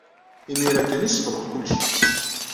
Imir-a kan ay sefḍeɣ kullec.